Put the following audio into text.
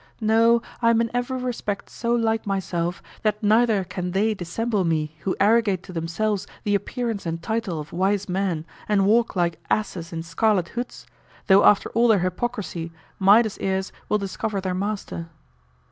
No, I am in every respect so like myself that neither can they dissemble me who arrogate to themselves the appearance and title of wise men and walk like asses in scarlet hoods, though after all their hypocrisy Midas' ears will discover their master.